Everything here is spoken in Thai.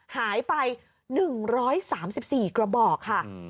หายไป๑๓๔กระบอกค่ะ